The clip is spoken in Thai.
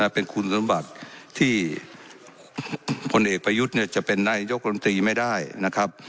เป็นคุณสมบัติที่พลเอกประยุทธ์จะเป็นนายกรมตรีไม่ได้นะครับ